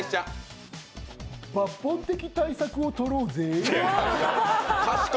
抜本的対策をとろうぜ。